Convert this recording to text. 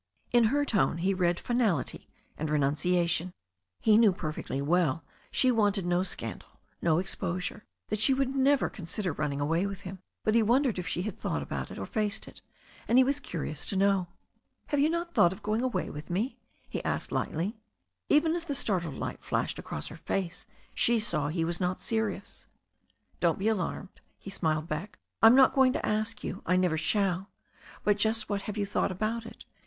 In her tone he read finality and renunciation. He knew perfectly well she wanted no scandal, no exposure, that she would never consider running away with him, but he wondered if she had thought about it or faced it, and he was curious to know. "You have not thought of going away with me," he asked lightly. igS THE STORY OF A NEW ZEALAND RIVER Even as the startled light flashed across her face she saw he was not serious. "Don't be alarmed," he smiled back. "I am not going to ask you to. I never shall. But just what have you thought about it?